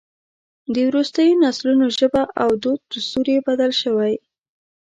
د وروستیو نسلونو ژبه او دود دستور یې بدل شوی.